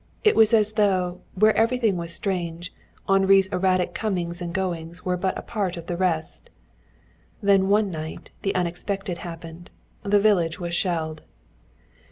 It was as though, where everything was strange, Henri's erratic comings and goings were but a part with the rest. Then one night the unexpected happened. The village was shelled.